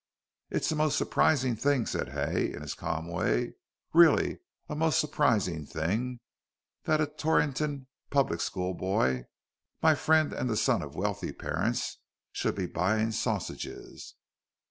"It's a most surprising thing," said Hay, in his calm way, "really a most surprising thing, that a Torrington public school boy, my friend, and the son of wealthy parents, should be buying sausages."